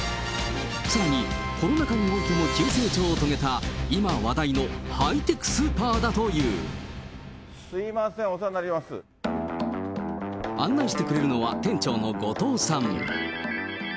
さらにコロナ禍においても急成長を遂げた、今話題のハイテクスーすみません、お世話になりま案内してくれるのは、店長の後藤さん。